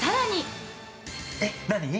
えっ何？